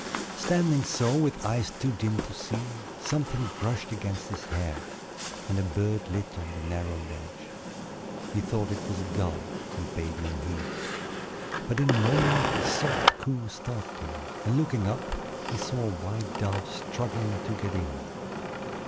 Standing so, with eyes too dim for seeing, something brushed against his hair, and a bird lit on the narrow ledge. He thought it was a gull, and paid no heed; but in a moment a soft coo started him, and looking up, he saw a white dove struggling to get in.